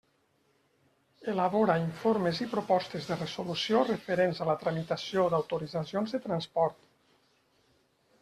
Elabora informes i propostes de resolució referents a la tramitació d'autoritzacions de transport.